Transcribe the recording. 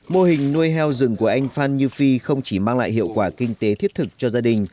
mô hình nuôi heo rừng của anh phan như phi không chỉ mang lại hiệu quả kinh tế thiết thực cho gia đình